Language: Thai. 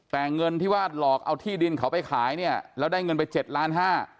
แต่เงินที่ว่าหลอกเอาที่ดินเขาไปขายเนี่ยแล้วได้เงินไปเจ็ดล้านห้า